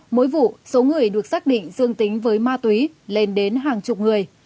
mỗi vụ số người được xác định dương tính với ma túy lên đến hàng chục người